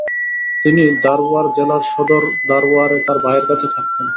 তিনি ধারওয়াড় জেলার সদর ধারওয়াড়ে তার ভাইয়ের কাছে থাকতেন।